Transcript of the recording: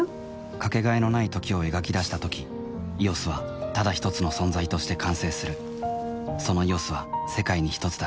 かけがえのない「時」を描き出したとき「ＥＯＳ」はただひとつの存在として完成するその「ＥＯＳ」は世界にひとつだ